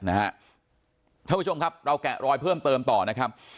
ท่านผู้ชมครับเราแกะรอยเพิ่มเติมต่อนะครับ